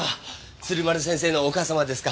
鶴丸先生のお母様ですか。